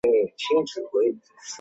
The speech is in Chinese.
史书没有记载张氏的生年。